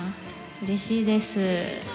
うれしいです。